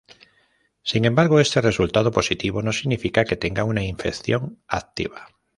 Sin embargo, este resultado positivo no significa que tenga una infección activa.